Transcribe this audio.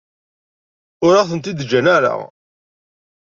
Ur aɣ-ten-id-ǧǧan ara.